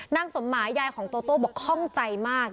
นางสมหมายยายของโตโต้บอกข้องใจมาก